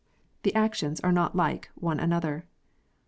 The actions are not like one another.